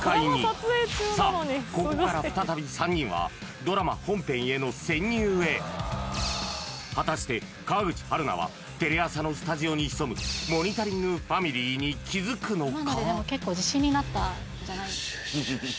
ここから再び３人はドラマ本編への潜入へ果たして川口春奈はテレ朝のスタジオに潜むモニタリングファミリーに気づくのか？